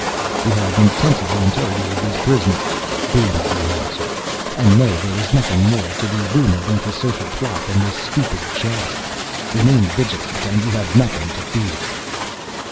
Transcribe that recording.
"We have intensively interrogated these prisoners," boomed the announcer, "and know there is nothing more to the rumored anti social plot than this stupid chatter. Remain vigilant and you have nothing to fear!"